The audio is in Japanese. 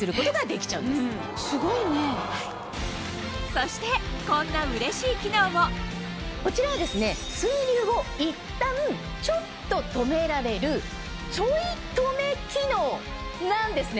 そしてこんなうれしい機能もこちらは水流をいったんちょっと止められるちょい止め機能なんですね。